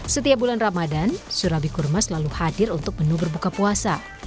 setiap bulan ramadan surabi kurma selalu hadir untuk menu berbuka puasa